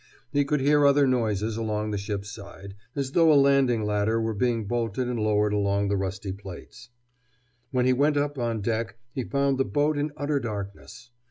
He could hear other noises along the ship's side, as though a landing ladder were being bolted and lowered along the rusty plates. When he went up on deck he found the boat in utter darkness.